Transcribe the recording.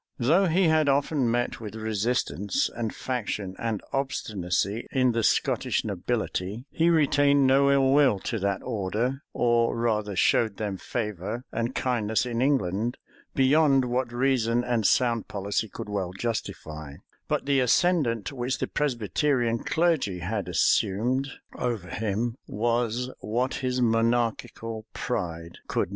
Though he had often met with resistance, and faction, and obstinacy in the Scottish nobility, he retained no ill will to that order; or rather showed them favor and kindness in England, beyond what reason and sound policy could well justify; but the ascendant which the Presbyterian clergy had assumed over him, was what his monarchical pride could never thoroughly digest.